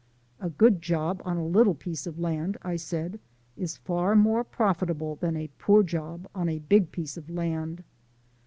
"A good job on a little piece of land," I said, "is far more profitable than a poor job on a big piece of land."